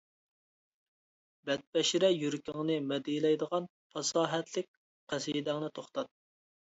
بەتبەشىرە يۈرىكىڭنى مەدھىيەلەيدىغان پاساھەتلىك قەسىدەڭنى توختات.